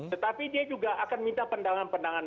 tetapi dia juga akan minta pendangan pendangan